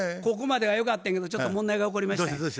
ここまではよかったんやけどちょっと問題が起こりましたんや。